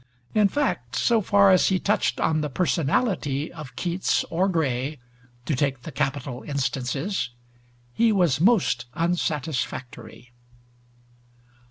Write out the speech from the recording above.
In fact, so far as he touched on the personality of Keats or Gray, to take the capital instances, he was most unsatisfactory.